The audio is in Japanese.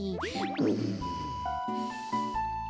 うん！